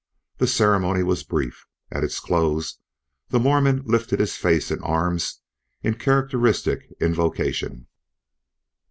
The ceremony was brief. At its close the Mormon lifted his face and arms in characteristic invocation.